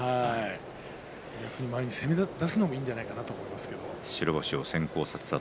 逆に前に攻め出すのもいいんじゃないかなと思います。